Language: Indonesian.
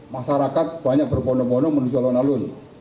masyarakat banyak berbono bono manusia lalu lalu